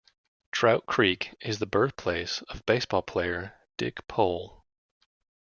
Trout Creek is the birthplace of baseball player Dick Pole.